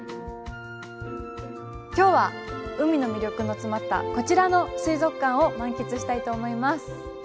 今日は海の魅力の詰まったこちらの水族館を満喫したいと思います。